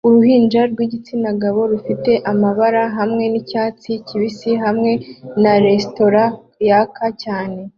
Uruhinja rwigitsina gabo rufite amabara hamwe nicyatsi kibisi hamwe na resitora yaka cyane